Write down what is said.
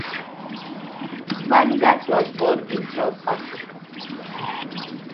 Van Gass was born in South Africa.